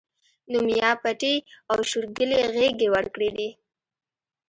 نو ميا پټي او شورګلې غېږې ورکړي دي